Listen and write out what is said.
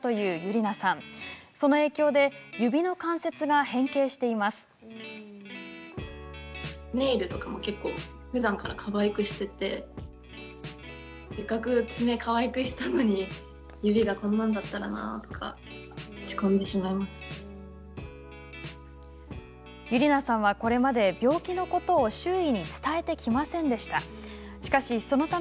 Ｙｕｒｉｎａさんはこれまで病気のことを、周囲に伝えてきませんでした。